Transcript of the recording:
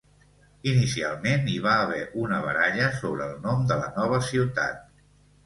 Inicialment, hi va haver una baralla sobre el nom de la nova ciutat.